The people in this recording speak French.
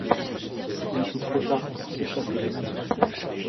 Il était trop tard pour s’échapper.